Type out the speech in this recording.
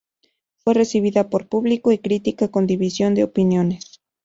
Fue recibida por público y crítica con división de opiniones.